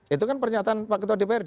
itu kan pernyataan pak ketua dprd